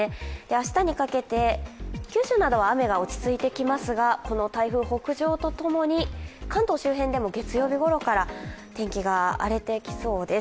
明日にかけて九州などは雨が落ち着いてきますがこの台風、北上とともに関東周辺でも月曜日ごろから天気が荒れてきそうです。